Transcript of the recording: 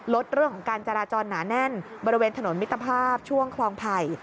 ลดเรื่องของการจราจรหนาแน่นบริเวณถนนมิตรภาพช่วงคลองไผ่